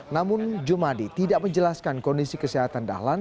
namun jumadi tidak menjelaskan kondisi kesehatan dahlan